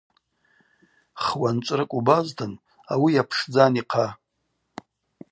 Хуанчӏврыкӏ убазтын – ауи йапшдзан йхъа.